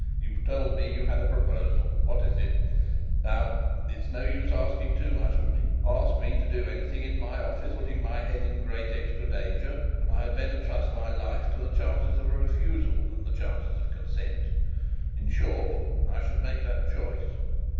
You told me you had a proposal; what is it? Now, it is of no use asking too much of me. Ask me to do anything in my office, putting my head in great extra danger, and I had better trust my life to the chances of a refusal than the chances of consent. In short, I should make that choice.